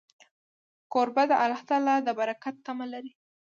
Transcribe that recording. کوربه د الله د برکت تمه لري.